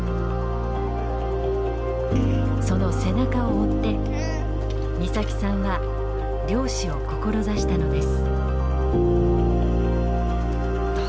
その背中を追って岬さんは漁師を志したのです。